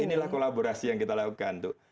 inilah kolaborasi yang kita lakukan untuk bpjs